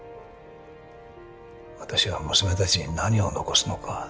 私は娘たちに何を残すのか。